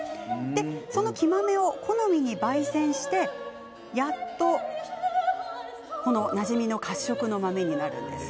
その生豆を好みにばい煎してやっとなじみの褐色の豆になります。